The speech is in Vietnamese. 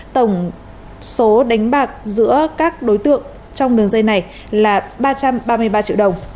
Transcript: tổng số đánh bạc giữa các đối tượng trong đường dây này là ba trăm ba mươi ba triệu đồng